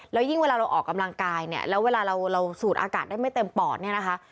แล้วยิ่งเวลาเราออกกำลังกายเนี่ยแล้วเวลาเราสูดอากาศได้ไม่เต็มปอดเนี่ยนะคะ